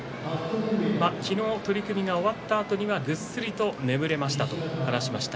昨日、取組が終わったあとにはぐっすりと眠れましたと話しました。